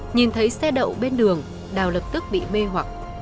nhìn thấy xe đậu bên đường đào lập tức bị mê hoặc